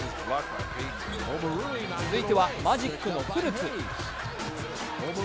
続いてはマジックのフルツ。